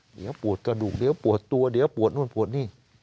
เดี๋ยวปวดกระดูกเดี๋ยวปวดตัวเดี๋ยวปวดนู่นปวดนี่